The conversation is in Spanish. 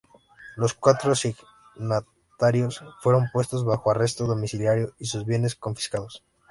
Los cuatro signatarios fueron puestos bajo arresto domiciliario y sus bienes confiscados.